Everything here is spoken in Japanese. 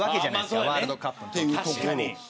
ワールドカップは。